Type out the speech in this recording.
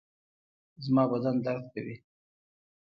زما بدن درد کوي